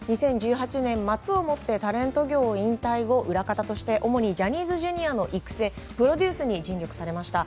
２０１８年末をもってタレント業を引退後裏方として主にジャニーズＪｒ．の育成プロデュースに尽力されました。